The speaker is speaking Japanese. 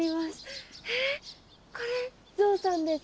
ええこれゾウさんですか？